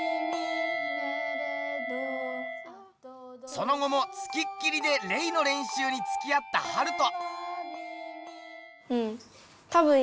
その後もつきっきりでレイの練習につきあったハルト。